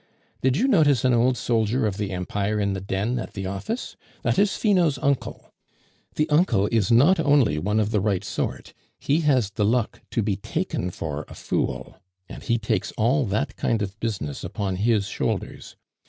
Did you notice an old soldier of the Empire in the den at the office? That is Finot's uncle. The uncle is not only one of the right sort, he has the luck to be taken for a fool; and he takes all that kind of business upon his shoulders.